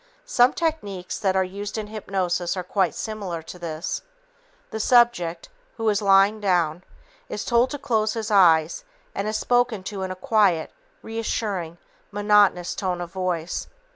Some techniques that are used in hypnosis are quite similar to this. The subject, who is lying down, is told to close his eyes and is spoken to in a quiet, reassuring, monotonous tone of voice.